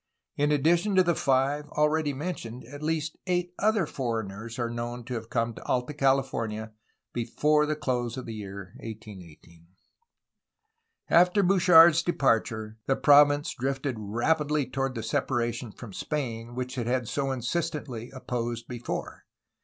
In addition to the five already mentioned, at least eight other foreigners are known to have come to Alta California before the close of the year 1818. After Bouchard's departure the province drifted rapidly toward the separation from Spain which it had so insistently opposed before.